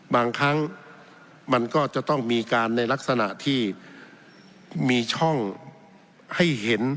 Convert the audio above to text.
บางครั้งมันก็จะต้องมีการในลักษณะที่มีช่องให้เห็น